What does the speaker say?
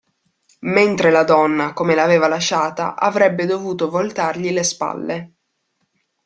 Mentre la donna, come l'aveva lasciata, avrebbe dovuto voltargli le spalle.